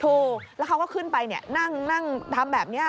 ถูกแล้วเขาก็ขึ้นไปนั่งทำแบบนี้